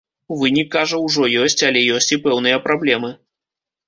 Вынік, кажа, ужо ёсць, але ёсць і пэўныя праблемы.